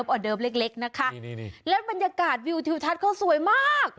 ออเดิมเล็กนะคะแล้วบรรยากาศวิวทิวทัศน์เขาสวยมาก